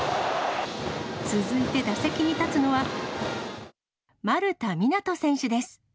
続いて打席に立つのは、丸太湊斗選手です。